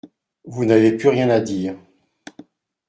Vous n'avez plus rien à dire.